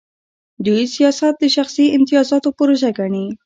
دوی سیاست د شخصي امتیازاتو پروژه ګڼي.